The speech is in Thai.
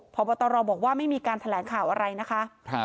พบตรบอกว่าไม่มีการแถลงข่าวอะไรนะคะ